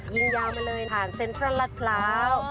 ยาวมาเลยผ่านเซ็นทรัลลัดพร้าว